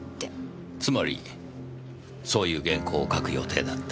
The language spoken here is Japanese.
つまりそういう原稿を書く予定だった。